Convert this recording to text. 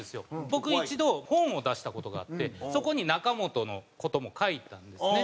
僕一度本を出した事があってそこに中本の事も書いたんですね。